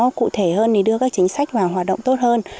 nó cụ thể hơn để đưa các chính sách vào hoạt động tốt hơn